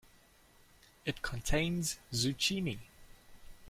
It contains Zucchini.